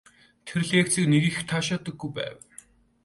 Тэр лекцийг нэг их таашаадаггүй байв.